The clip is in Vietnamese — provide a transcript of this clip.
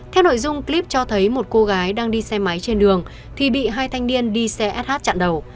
theo nội dung clip cho thấy một cô gái đang đi xe máy trên đường thì bị hai thanh niên đi xe sh chặn đầu